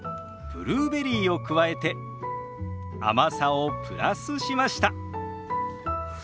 ブルーベリーを加えて甘さをプラスしました。